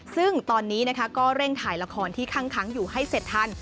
ซึ่งตอนนี้นะคะก็เร่งถ่ายละครที่คั่งอยู่ให้เสร็จทัน